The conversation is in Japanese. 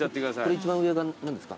一番上が何ですか？